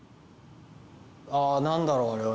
あぁ何だろう？